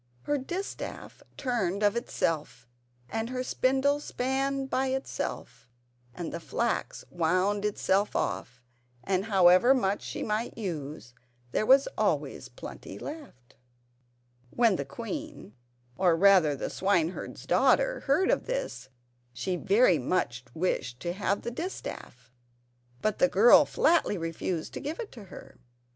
Her distaff turned of itself and her spindle span by itself and the flax wound itself off; and however much she might use there was always plenty left. When the queen—or, rather, the swineherd's daughter—heard of this, she very much wished to have the distaff, but the girl flatly refused to give it to her.